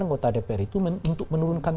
anggota dpr itu untuk menurunkan